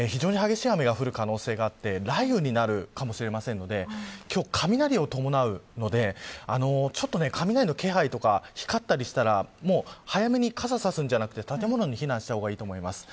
非常に激しい雨が降る可能性があって雷雨になるかもしれませんので今日は雷を伴うのでちょっと雷の気配とか光ったりしたら早めに傘を差すのではなく建物に避難した方がいいと思います。